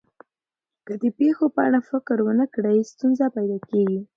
که د پېښو په اړه فکر ونه کړئ، ستونزه پیدا کېږي.